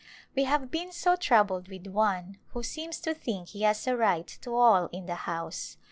We have been so troubled with one, who seems to think he has a right to all in the house.